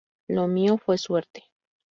Lo mío fue suerte"".